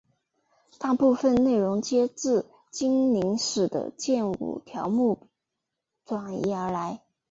大部分内容皆自精灵使的剑舞条目转移而来。